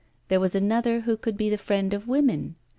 There was another who could be the friend of women.